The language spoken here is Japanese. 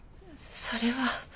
それは。